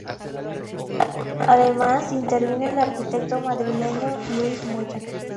Además intervino el arquitecto madrileño Luis Moya.